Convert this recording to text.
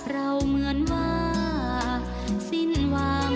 เราเหมือนว่าสิ้นวัง